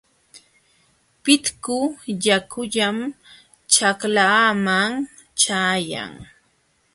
Pitku yakullam ćhaklaaman ćhayan.